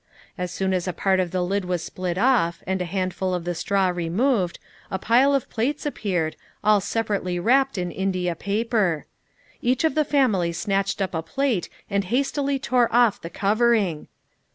As soon as a part of the lid was split off, and a handful of the straw removed, a pile of plates appeared, all separately wrapped in India paper. Each of the family snatched up a plate and hastily tore off the covering.